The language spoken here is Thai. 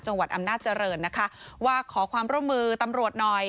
จังหวัดอำนาจริงนะคะว่าขอความร่วมมือตำรวจหน่อย